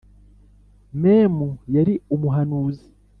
Memu yari umuhanuzi